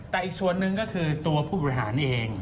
แต่อีกส่วนหนึ่งก็คือตัวผู้บริหารเอง